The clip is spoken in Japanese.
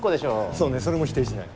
そうねそれも否定しない。